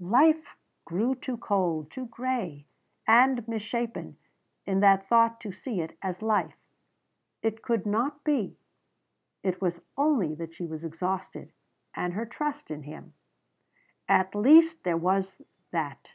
Life grew too cold, too gray and misshapen in that thought to see it as life. It could not be. It was only that she was exhausted. And her trust in him. At least there was that.